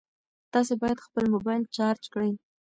تاسي باید خپل موبایل چارج کړئ.